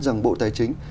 rằng bộ tài chính